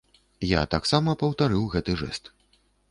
Я таксама паўтарыў гэты жэст.